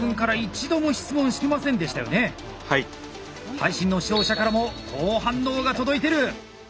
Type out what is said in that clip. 配信の視聴者からも好反応が届いてる。